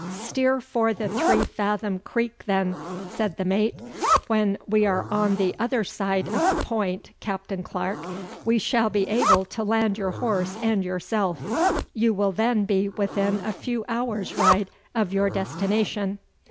'Steer for the three fathom creek then,' said the mate. 'When we are on the other side of the point, Captain Clarke, we shall be able to land your horse and yourself. You will then be within a few hours' ride of your destination.